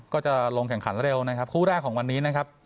ก็จะลงแข่งขันเร็วนะครับคู่แรกของวันนี้นะครับ